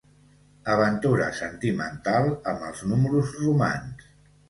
Aventura sentimental amb els números romans.